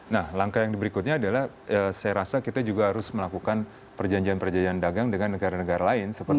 nah langkah yang berikutnya adalah saya rasa kita juga harus melakukan perjanjian perjanjian dagang dengan negara negara lain